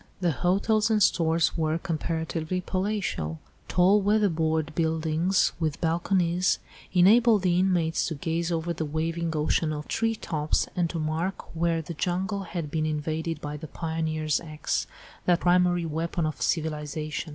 The hotels and stores were comparatively palatial. Tall weatherboard buildings with balconies, enabled the inmates to gaze over the waving ocean of tree tops and to mark where the jungle had been invaded by the pioneer's axe, that primary weapon of civilisation.